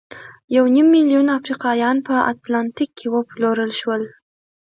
یو نیم میلیون افریقایان په اتلانتیک کې وپلورل شول.